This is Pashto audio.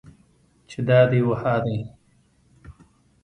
چې دا دي و ها دي.